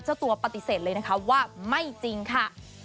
เจ้าตัวปฏิเสธเลยนะคะว่าไม่จริงค่ะ